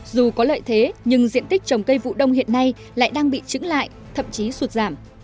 dù có lợi thế nhưng diện tích trồng cây vụ đông hiện nay lại đang bị trứng lại thậm chí sụt giảm